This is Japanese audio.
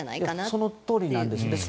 そのとおりなんです。